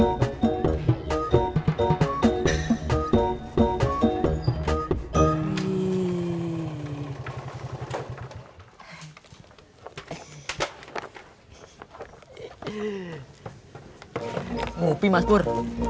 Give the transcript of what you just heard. gimana sih mas pur